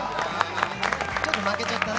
ちょっと負けちゃったね。